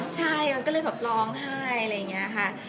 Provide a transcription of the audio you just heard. ใช่มันก็เลยร้องไห้